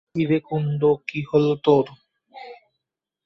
কিরে কুন্দ, কী হল তোর?